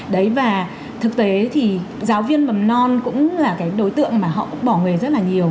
đấy và thực tế thì giáo viên mầm non cũng là cái đối tượng mà họ cũng bỏ nghề rất là nhiều